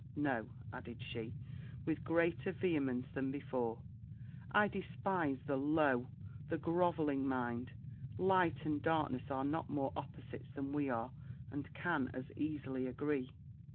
No!' added she, with greater vehemence than before, 'I despise the low, the grovelling mind; light and darkness are not more opposites than we are, and can as easily agree.'